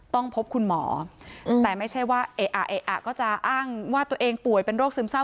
ต้องพบคุณหมอแต่ไม่ใช่ว่าเอ๊ะอ่ะก็จะอ้างว่าตัวเองป่วยเป็นโรคซึมเศร้า